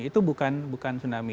itu bukan tsunami